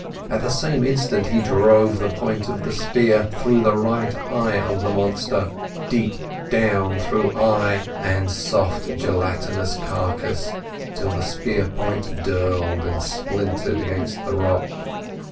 At the same instant he drove the point of the spear through the right eye of the monster, deep down through eye and soft gelatinous carcass till the spear point dirled and splintered against the rock.